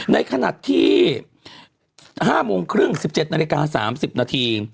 ในขณะที่๕โมงครึ่ง๑๗นาฬิกา๓๐นาที